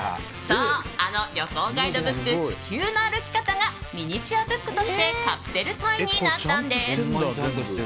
そう、あの旅行ガイドブック「地球の歩き方」がミニチュアブックとしてカプセルトイになったんです。